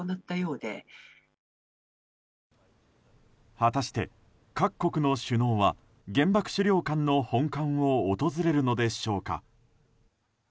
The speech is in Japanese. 果たして、各国の首脳は原爆資料館の本館を訪れるのでしょうか。